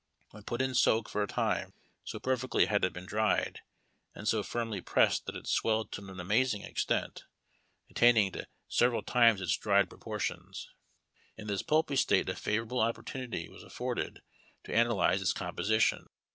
When put in soak for a time, so perfectly had it been dried and so firmly pressed that it swelled to an amazing extent, attaining to several ARMY RATIONS. 139 times its dried proportions. In this pulpy state a favorable opportunity was afforded to analyze its composition.